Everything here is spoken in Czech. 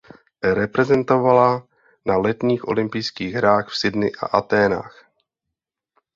Reprezentovala na letních olympijských hrách v Sydney a Athénách.